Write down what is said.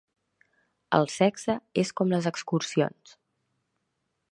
El sexe és com les excursions.